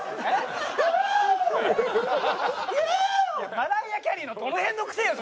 マライア・キャリーのどの辺の癖よそれ。